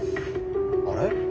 あれ？